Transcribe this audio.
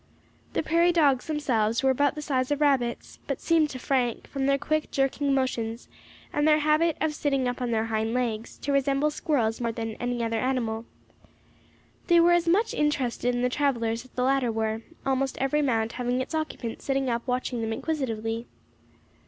The prairie dogs themselves were about the size of rabbits, but seemed to Frank, from their quick, jerking motions, and their habit of sitting up on their hind legs, to resemble squirrels more than any other animal. They were as much interested in the travellers as the latter were with them, almost every mound having its occupant sitting up watching them inquisitively.